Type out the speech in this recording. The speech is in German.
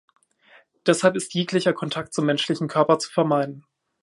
Deshalb ist jeglicher Kontakt zum menschlichen Körper zu vermeiden.